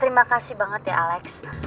terima kasih banget ya alex